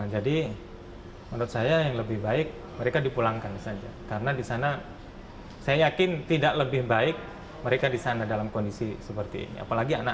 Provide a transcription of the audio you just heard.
jadi menurut saya yang lebih baik mereka dipulangkan saja karena di sana saya yakin tidak lebih baik mereka di sana dalam kondisi seperti ini apalagi anak anak